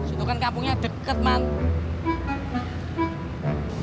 itu kan kampungnya deket man